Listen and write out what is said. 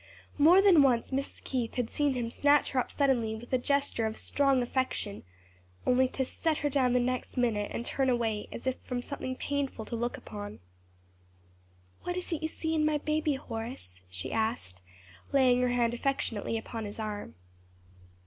More than once Mrs. Keith had seen him snatch her up suddenly with a gesture of strong affection, only to set her down the next minute and turn away as if from something painful to look upon. "What is it you see in my baby, Horace?" she asked, laying her hand affectionately upon his arm.